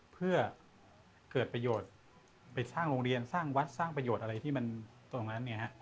เพื่อเกิดประโยชน์ไปสร้างโรงเรียนสร้างวัดสร้างประโยชน์อะไรที่มันตรงนั้น